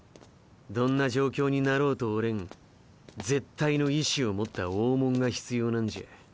どんな状況になろうと折れん絶対の意思を持った大物が必要なんじゃ。